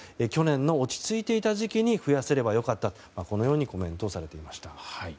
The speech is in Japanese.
去年の落ち着いていた時期に増やせれば良かったとこのようにコメントされていました。